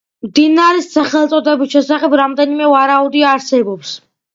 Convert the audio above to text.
მდინარის სახელწოდების შესახებ რამდენიმე ვარაუდი არსებობს.